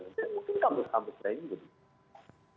mungkin kampus kampus lain jadi